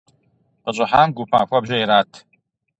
КъыщӀыхьам гуп махуэбжьэ ират.